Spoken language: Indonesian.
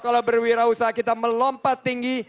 kalau berwirausaha kita melompat tinggi